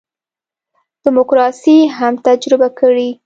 دیموکراسي هم تجربه کړي.